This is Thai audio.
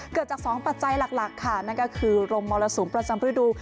เกิดจาก๒ปัจจัยหลักค่ะนั่นก็คือรมมรสุมประจำฤดู